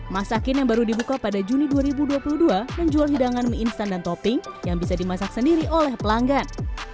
masakin yang baru dibuka pada juni dua ribu dua puluh dua menjual hidangan mie instan dan topping yang bisa dimasak sendiri oleh pelanggan